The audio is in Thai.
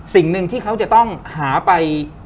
สิ่งหนึ่งที่เขาจะต้องหาไป